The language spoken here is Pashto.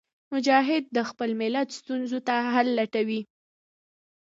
مجاهد د خپل ملت ستونزو ته حل لټوي.